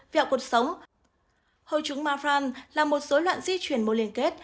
vẹo cuộc sống hội trúng marfan là một dối loạn di chuyển mô liên kết